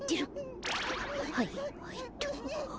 はいはいっと。